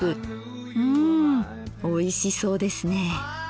うんおいしそうですねえ。